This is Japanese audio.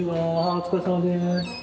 お疲れさまです。